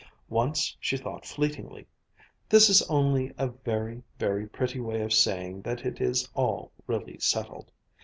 Once she thought fleetingly: "This is only a very, very pretty way of saying that it is all really settled.